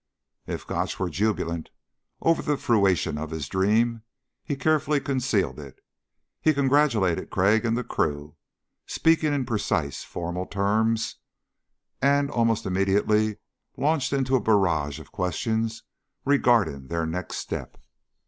If Gotch were jubilant over the fruition of his dream, he carefully concealed it. He congratulated Crag and the crew, speaking in precise formal terms, and almost immediately launched into a barrage of questions regarding their next step.